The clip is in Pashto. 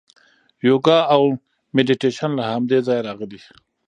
یوګا او میډیټیشن له همدې ځایه راغلي.